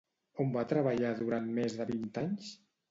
On va treballar durant més de vint anys?